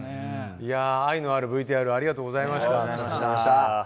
愛のあるＶＴＲ、ありがとうございました。